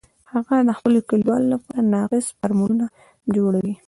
هغه د خپلو کلیوالو لپاره ناقص فارمولونه جوړوي